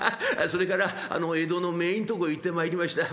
それから江戸の名医んとこへ行ってまいりました。